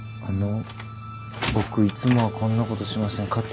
あの僕いつもはこんなことしません。